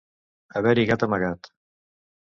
Haver-hi gat amagat.